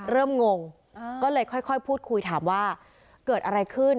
งงก็เลยค่อยพูดคุยถามว่าเกิดอะไรขึ้น